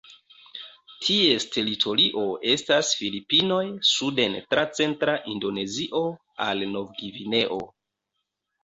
Ties teritorio estas Filipinoj suden tra centra Indonezio al Novgvineo.